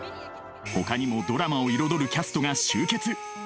ほかにもドラマを彩るキャストが集結